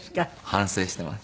反省しています。